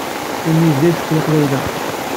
Attan d tis tamet n tṣebḥit.